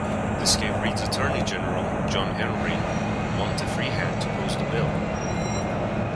This gave Reid's Attorney-General, John Henry Want, a free hand to oppose the bill.